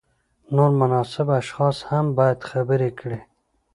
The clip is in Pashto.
نور مناسب اشخاص هم باید خبر کړي.